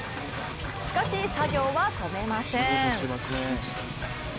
しかし、作業は止めません。